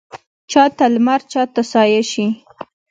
چا ته لمر چا ته سایه شي